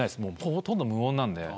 ほとんど無音なんで。